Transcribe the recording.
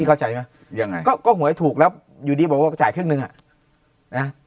ที่เขาจ่ายใช่ไหมก็หัวให้ถูกแล้วอยู่ดีบอกว่าก็จ่ายครึ่งนึงอ่ะ